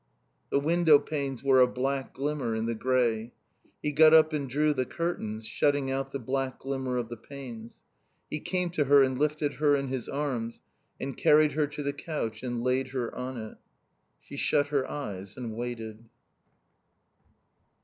The window panes were a black glimmer in the grey. He got up and drew the curtains, shutting out the black glimmer of the panes. He came to her and lifted her in his arms and carried her to the couch and laid her on it. She shut her eyes and waited.